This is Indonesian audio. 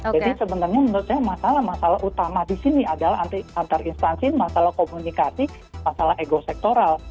jadi sebenarnya menurut saya masalah utama di sini adalah antar instansi masalah komunikasi masalah ego sektoral